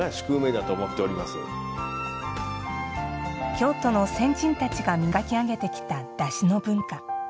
京都の先人たちが磨き上げてきた、だしの文化。